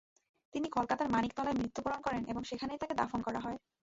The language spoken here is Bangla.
তিনি কলকাতার মানিকতলায় মৃত্যুবরণ করেন এবং সেখানেই তাকে দাফন করা হয়।